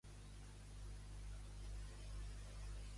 Dubta a entrar a veure a la Jacobè?